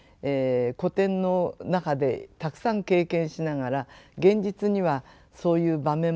古典の中でたくさん経験しながら現実にはそういう場面もないわけですね。